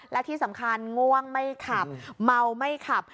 และที่สำคัญง่วงไม่ขับเมาไม่ขับ